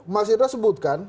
mas ida sebutkan